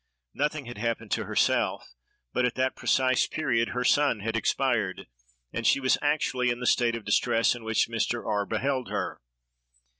Nothing had happened to herself, but at that precise period her son had expired, and she was actually in the state of distress in which Mr. R—— beheld her.